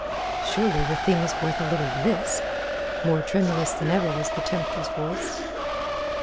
"Surely the thing is worth a little risk?" More tremulous than ever was the tempter's voice.